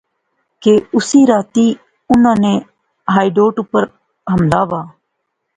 کہ اسے راتی انیں نے ہائیڈ اوٹ اپر حملہ وہا